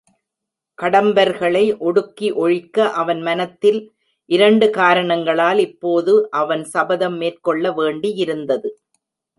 கடம்பர்களை ஒடுக்கி ஒழிக்க அவன் மனத்தில் இரண்டு காரணங்களால் இப்போது அவன் சபதம் மேற்கொள்ள வேண்டியிருந்தது.